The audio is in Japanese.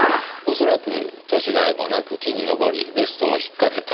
恐らく年甲斐もなく木に登りベストを引っかけた。